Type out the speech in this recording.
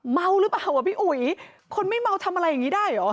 เมาหรือเปล่าอ่ะพี่อุ๋ยคนไม่เมาทำอะไรอย่างนี้ได้เหรอ